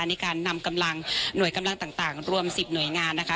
ในการนำกำลังหน่วยกำลังต่างรวม๑๐หน่วยงานนะคะ